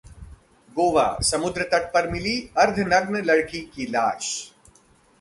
गोवाः समुद्र तट पर मिली अर्धनग्न लड़की की लाश